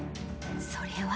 それは。